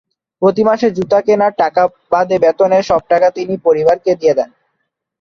প্রতিমাসে জুতা কেনার টাকা বাদে বেতনের সব টাকা তিনি পরিবারকে দিয়ে দেন।